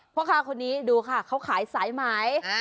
พ่อค้าคนนี้ดูค่ะเขาขายสายไหม